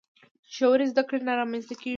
ژورې زده کړې نه رامنځته کیږي.